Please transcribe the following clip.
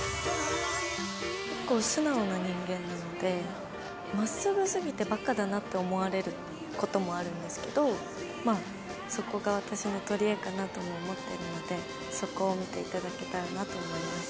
結構素直な人間なので真っすぐすぎてバカだなって思われる事もあるんですけどまあそこが私の取りえかなとも思ってるのでそこを見て頂けたらなと思います。